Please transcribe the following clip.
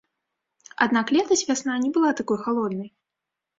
Аднак летась вясна не была такой халоднай.